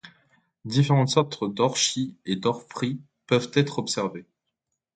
Différentes sortes d'orchis et d'ophrys peuvent être observés.